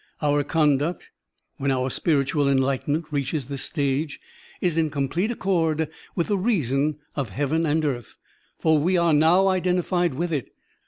Our conduct, when our spiritual enlightenment reaches this stage, is in complete accord with the reason of heaven and earth, for we are now identified with it.